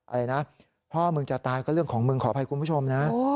อะไรนะพ่อมึงจะตายก็เรื่องของมึงขออภัยคุณผู้ชมนะ